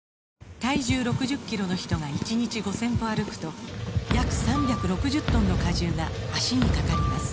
体重６０キロの人が１日５０００歩歩くと約３６０トンの荷重が脚にかかります